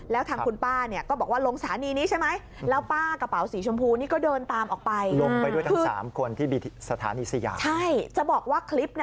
แล้วทางคุณป้าเนี่ยก็บอกว่าลงสถานีนี้ใช่มั้ยแล้วเป้ากระเป๋าสีชมพูนี่ก็เดินตามออกไป